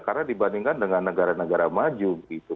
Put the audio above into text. karena dibandingkan dengan negara negara maju gitu